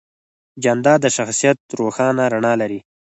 جانداد د شخصیت روښانه رڼا لري.